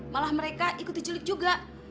malah mereka ikuti jelik juga